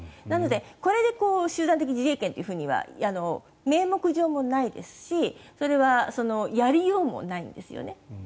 なのでこれで集団的自衛権とは名目上もないですしそれはやりようもないんです。